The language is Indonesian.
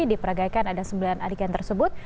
diperagaikan ada sembilan adegan tersebut